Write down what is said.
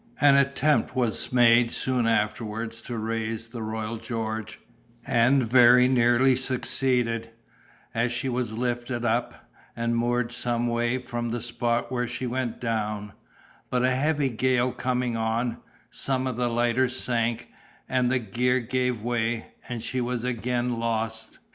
An attempt was made soon afterwards to raise the Royal George, and very nearly succeeded, as she was lifted up, and moored some way from the spot where she went down; but a heavy gale coming on, some of the lighters sank, and the gear gave way, and she was again lost.